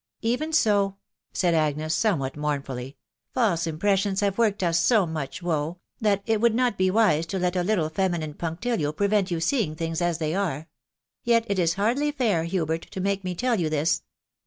" Even so,"' said Agnes, somewhat mournfully ;" false im pressions have worked us so much woe, that it would not be wise to let a little feminine punctilio prevent you seeing things as they are. .. Yet it is hardly fair, Hubert, to make me tell you this."